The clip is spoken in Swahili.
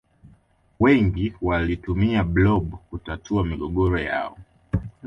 Wengi walitumia blob kutatua migogoro yao